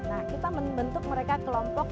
nah kita membentuk mereka kelompok